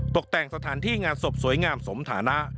ตกแต่งสถานที่งานศพสวยงามสมฐานะ